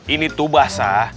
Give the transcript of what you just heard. ini tuh basah